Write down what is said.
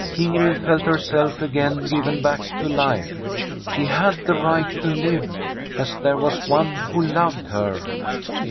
Ingrid felt herself again given back to life. She had the right to live, as there was one who loved her.